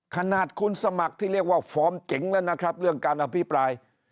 ขนาดคุณสมัครที่เรียกว่าฟอร์มเจ๋งแล้วนะครับเรื่องการอภิปราย